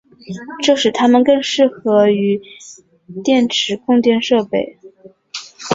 这使它们更适合于电池供电设备。